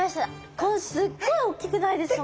すっごいおっきくないですか？